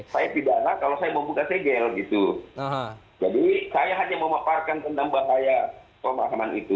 saya tidak ada lagi kalau saya membuka segel jadi saya hanya memaparkan tentang bahaya pemahaman itu